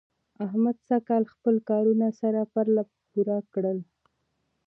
احمد سږکال خپل کارونه سره پرله پورې کړل.